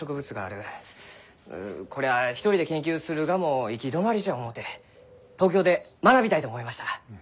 こりゃあ一人で研究するがも行き止まりじゃ思うて東京で学びたいと思いました。